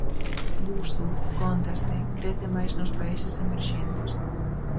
Busu, cóntase, crece máis nos países emerxentes.